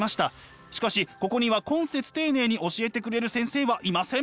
しかしここには懇切丁寧に教えてくれる先生はいません。